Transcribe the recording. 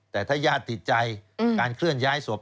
แต่ถ้าญาติติดใจการเคลื่อนย้ายศพ